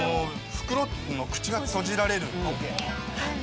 袋の口が閉じられる。